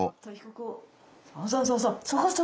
そうそうそうそう。